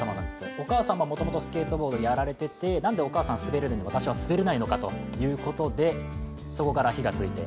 お母様はもともとスケートボードをやられていて、なんでお母さんは滑れるのに私は滑れないのかということで、そこから火がついて。